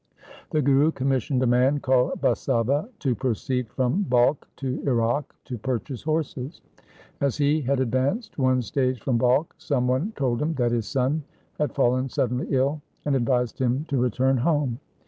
The Guru commissioned a man called Basava to proceed from Balkh to Iraq to purchase horses. As he had advanced one stage from Balkh, some one told him that his son had fallen suddenly ill, and advised him to return home.